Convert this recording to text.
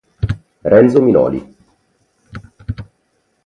Renzo Minoli